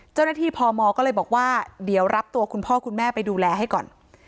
พมก็เลยบอกว่าเดี๋ยวรับตัวคุณพ่อคุณแม่ไปดูแลให้ก่อน